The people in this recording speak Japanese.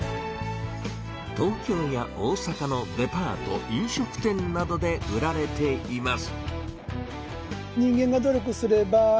東京や大阪のデパート飲食店などで売られています。